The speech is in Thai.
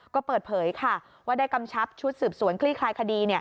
ก็เปิดเผยค่ะว่าได้กำชับชุดสืบสวนคลี่คลายคดี